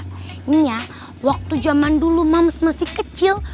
nih ya waktu zaman dulu mams masih kecil